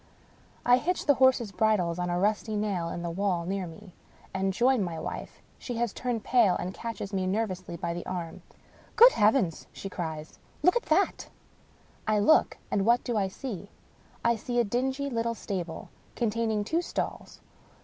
I hitch the horses' bridles on a rusty nail in the wall near me, and join my wife. She has turned pale, and catches me nervously by the arm. " Good heavens !" she cries ;" look at that I " I look — and what do I see? I see a dingy little stable, containing two stalls.